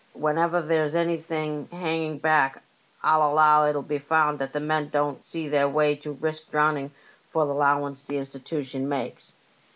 Whenever there's any hanging back I'll allow it'll be found that the men don't see their way to risk drowning for the 'lowance the Insti tution makes.